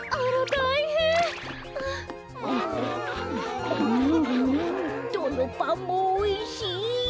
どのパンもおいしい！